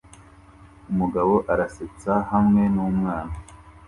Umugabo arasetsa hamwe numwana